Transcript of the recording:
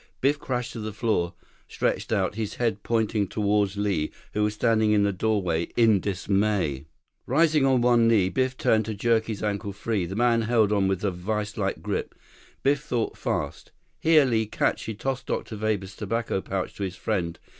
Biff crashed to the floor, stretched out, his head pointing toward Li, who was standing in the doorway in dismay. Rising on one knee, Biff tried to jerk his ankle free. The man held on with a viselike grip. Biff thought fast. "Here, Li! Catch!" He tossed Dr. Weber's tobacco pouch to his friend.